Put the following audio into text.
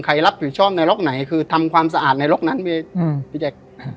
ใครรับผิดชอบในล็อกไหนคือทำความสะอาดในล็อกนั้นพี่แจ๊ค